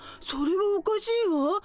それはおかしいわ。